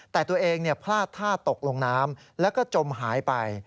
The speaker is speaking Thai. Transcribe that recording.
แต่ตัวเองพลาดท่าตกลงน้ำแล้วก็จมหายไป